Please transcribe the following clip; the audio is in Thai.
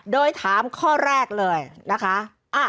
โดยถามข้อแรกเลยนะคะ